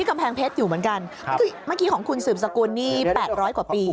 เมื่อกี้ของคุณสืบสกุลนี่๘๐๐กว่าปี